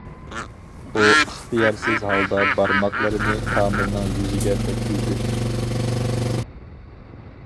ئۇ ئىختىيارسىز ھالدا بارماقلىرىنى كامىلنىڭ يۈزىگە تەگكۈزدى.